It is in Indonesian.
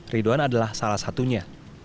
ridwan adalah salah satunya